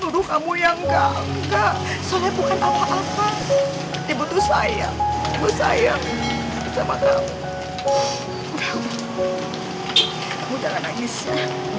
supaya kita dapat uang ya